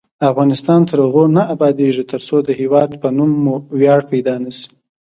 افغانستان تر هغو نه ابادیږي، ترڅو د هیواد په نوم مو ویاړ پیدا نشي.